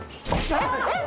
えっ？